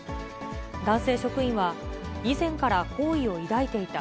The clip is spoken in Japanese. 男性職員は、以前から好意を抱いていた。